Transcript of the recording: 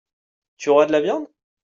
Tu auras de la viande ?